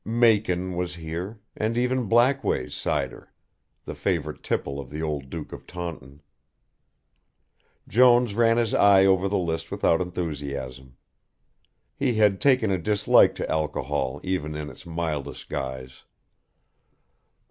Macon was here, and even Blackways' Cyder, the favourite tipple of the old Duke of Taunton. Jones ran his eye over the list without enthusiasm. He had taken a dislike to alcohol even in its mildest guise.